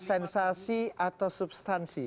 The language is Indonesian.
sensasi atau substansi